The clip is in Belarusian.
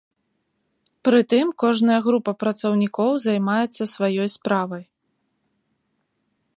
Прытым кожная група працаўнікоў займаецца сваёй справай.